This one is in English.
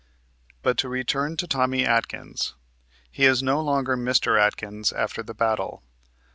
But to return to Tommy Atkins. He is no longer Mr. Atkins after the battle.